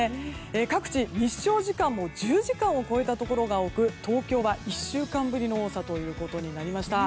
各地、日照時間も１０時間を超えたところが多く東京は１週間ぶりの多さということになりました。